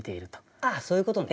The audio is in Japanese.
あっそういうことね。